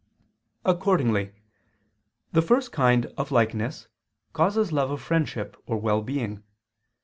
Accordingly the first kind of likeness causes love of friendship or well being.